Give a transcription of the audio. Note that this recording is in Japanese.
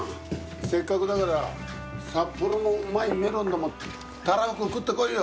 せっかくだから札幌のうまいメロンでもたらふく食ってこいよ。